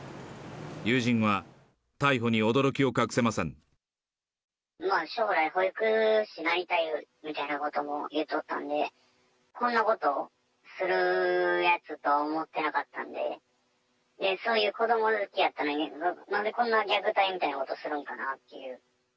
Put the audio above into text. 友人は、将来、保育士になりたいみたいなこともいっとったんで、こんなことするやつと思ってなかったんで、そういう子ども好きやったのに、なんでこんな虐待みたいなことするんかなっていう。